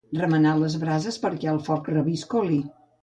Remenar les brases perquè el foc reviscoli.